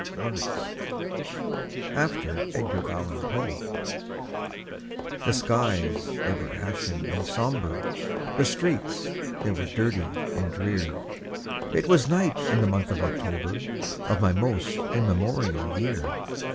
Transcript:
THE WILLOWS (AFTER EDGAR ALLAN POE) The skies they were ashen and sober, The streets they were dirty and drear; It was night in the month of October, Of my most immemorial year.